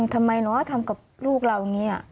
ทำไมเนอะทำกับลูกเราอย่างนี้